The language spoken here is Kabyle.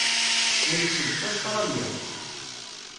Nekk seg Ustṛalya.